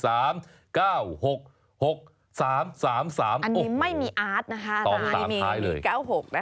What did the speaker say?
อันนี้ไม่มีอาร์ตนะคะลายไม่มี